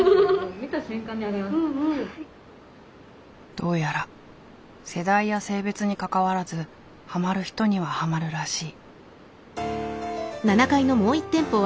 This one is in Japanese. どうやら世代や性別にかかわらずハマる人にはハマるらしい。